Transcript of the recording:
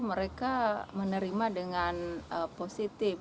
mereka menerima dengan positif